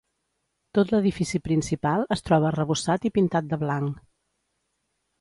Tot l'edifici principal es troba arrebossat i pintat de blanc.